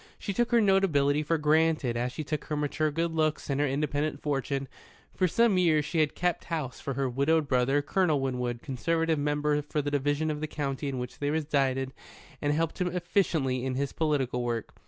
She took her notability for granted, as she took her mature good looks and her independent fortune. For some years she had kept house for her widowed brother, Colonel Winwood, Conservative Member for the Division of the county in which they resided, and helped him efficiently in his political work.